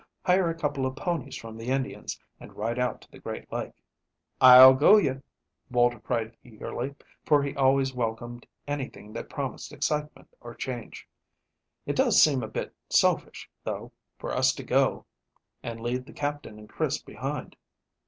Hire a couple of ponies from the Indians, and ride out to the great lake." "I'll go you," Walter cried eagerly, for he always welcomed anything that promised excitement or change. "It does seem a bit selfish, though, for us to go and leave the Captain and Chris behind."